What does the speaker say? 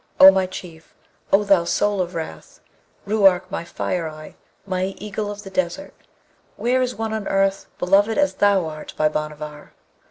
O my Chief! O thou soul of wrath! Ruark, my fire eye! my eagle of the desert! where is one on earth beloved as thou art by Bhanavar?'